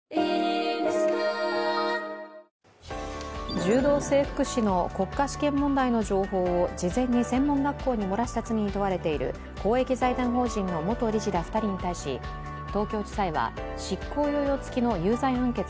柔道整復師の国家試験問題の情報を事前に専門学校に漏らした罪に問われている公益財団法人の元理事ら２人に対し柔道整復研修